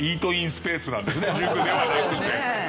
塾ではなくて。